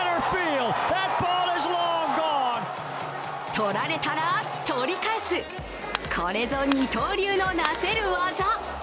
取られたら取り返す、これぞ二刀流のなせる技。